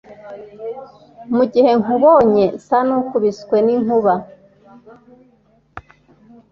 mu gihe nkubonye nsa n` ukubiswe ninkuba.